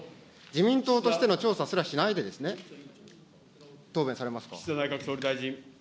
自民党としての調査すらしないでですね、答弁されますか。